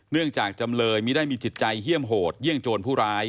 จากจำเลยไม่ได้มีจิตใจเฮี่ยมโหดเยี่ยมโจรผู้ร้าย